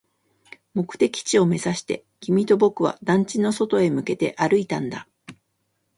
目的地を目指して、君と僕は団地の外へ向けて歩いたんだ